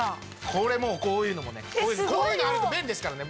これこういうのもねこういうのあると便利ですからね。